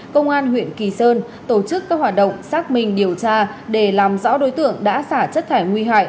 công an huyện kỳ sơn tổ chức các hoạt động xác minh điều tra để làm rõ đối tượng đã xả chất thải nguy hại